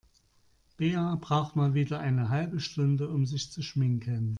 Bea braucht mal wieder eine halbe Stunde, um sich zu schminken.